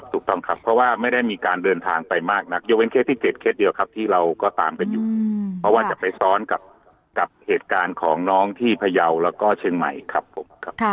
ถูกต้องครับเพราะว่าไม่ได้มีการเดินทางไปมากนักยกเว้นเคสที่๗เคสเดียวครับที่เราก็ตามกันอยู่เพราะว่าจะไปซ้อนกับเหตุการณ์ของน้องที่พยาวแล้วก็เชียงใหม่ครับผมครับ